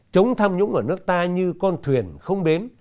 chống tham nhũng ở nước ta như con thuyền không bến